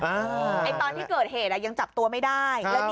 ตอนที่เกิดเหตุยังจับตัวไม่ได้